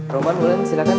roman mulai silahkan